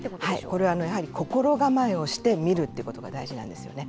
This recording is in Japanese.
これはやはり心構えをして見るってことが大事なんですよね。